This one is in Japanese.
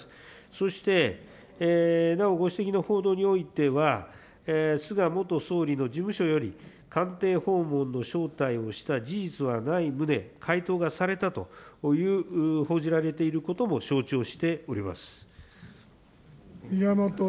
そしてなお、ご指摘の報道においては、菅元総理の事務所より、官邸訪問の招待をした事実はない旨、回答がされたという、報じられていることも承知をしております。